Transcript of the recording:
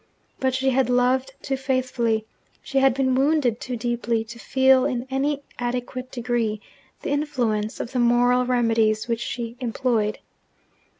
But she had loved too faithfully, she had been wounded too deeply, to feel in any adequate degree the influence of the moral remedies which she employed.